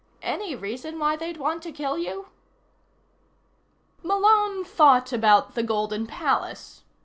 Any reason why they'd want to kill you?" Malone thought about the Golden Palace.